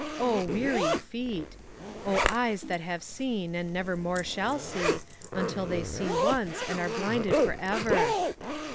O weary feet! O eyes that have seen and never more shall see, until they see once and are blinded for ever!